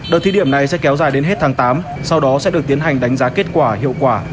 đợt thí điểm này sẽ kéo dài đến hết tháng tám sau đó sẽ được tiến hành đánh giá kết quả hiệu quả